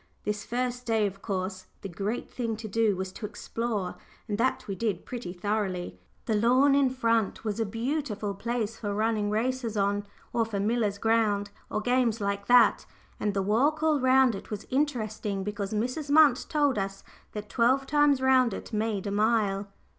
This first day, of course, the great thing to do was to explore, and that we did pretty thoroughly. The lawn in front was a beautiful place for running races on, or for "Miller's ground," or games like that and the walk all round it was interesting because Mrs. Munt told us that twelve times round it, made a mile.